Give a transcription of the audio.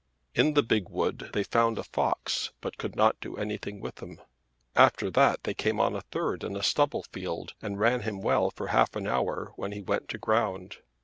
In the big wood they found a fox but could not do anything with him. After that they came on a third in a stubble field and ran him well for half an hour, when he went to ground.